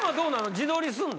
自撮りすんの？